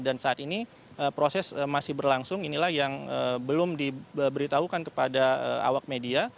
dan saat ini proses masih berlangsung inilah yang belum diberitahukan kepada awak media